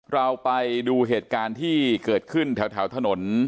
เราไปดูเหตุการณ์ที่เกิดขึ้นแถวถนน